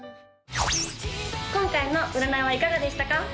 今回の占いはいかがでしたか？